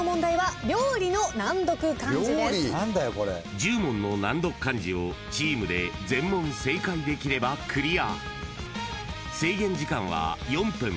［１０問の難読漢字をチームで全問正解できればクリア］